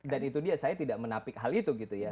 itu dia saya tidak menapik hal itu gitu ya